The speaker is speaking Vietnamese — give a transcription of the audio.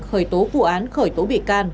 khởi tố vụ án khởi tố bị can